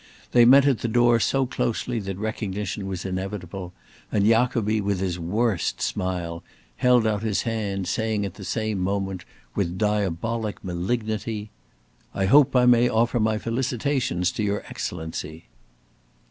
They met at the door so closely that recognition was inevitable, and Jacobi, with his worst smile, held out his hand, saying at the same moment with diabolic malignity: "I hope I may offer my felicitations to your Excellency!"